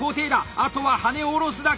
あとは羽根を下ろすだけ！